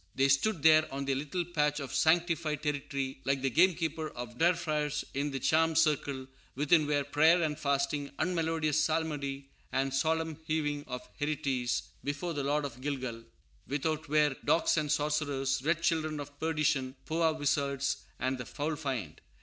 They stood there on their little patch of sanctified territory like the gamekeeper of Der Freischutz in the charmed circle; within were prayer and fasting, unmelodious psalmody and solemn hewing of hereties, "before the Lord in Gilgal;" without were "dogs and sorcerers, red children of perdition, Powah wizards," and "the foul fiend."